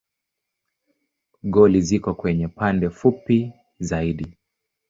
Goli ziko kwenye pande fupi zaidi.